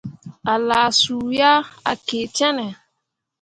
A laa su ah, a kii cenne.